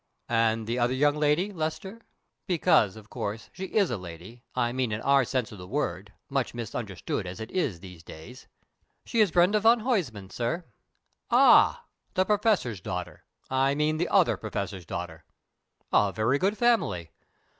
"And the other young lady, Lester because, of course, she is a lady, I mean in our sense of the word, much misunderstood as it is in these days?" "She is Brenda van Huysman, sir." "Oh, the Professor's daughter. I mean the other Professor's daughter. A very good family.